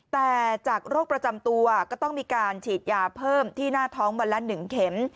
แต่จากโรคประจำตัวก็ต้องมีการฉีดยาเพิ่มที่หน้าท้องวันละ๑เข็ม